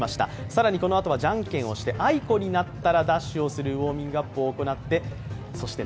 更にこのあとはじゃんけんをしてあいこを出したらダッシュをするウオーミングアップをしました。